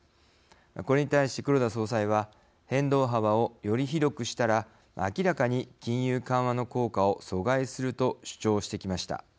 これに対し黒田総裁は変動幅をより広くしたら明らかに金融緩和の効果を阻害すると主張してきました。